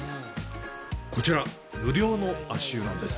こちら、無料の足湯なんです。